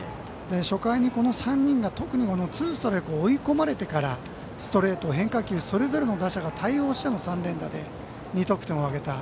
初回に、この３人がツーストライク追い込まれてからストレート、変化球それぞれの打者が対応しての連打で２得点を挙げた。